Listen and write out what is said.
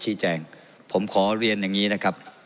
ชี้แจงผมขอเรียนอย่างนี้นะครับ